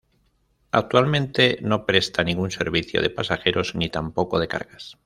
Actualmente no presta ningún servicio de pasajeros ni tampoco de cargas.